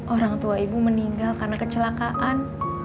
orang tua ibu meninggal karena kecelakaan